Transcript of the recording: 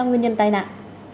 cho nguyên nhân tai nạn